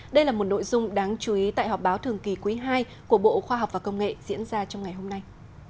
đây là một nội dung đáng chú ý tại họp báo thường kỳ quý ii của bộ khoa học và công nghệ diễn ra trong ngày hôm nay